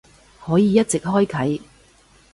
可以一直開啟